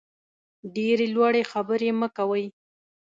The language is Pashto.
ډېرې لوړې خبرې مه کوئ.